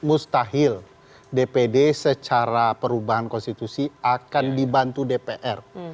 mustahil dpd secara perubahan konstitusi akan dibantu dpr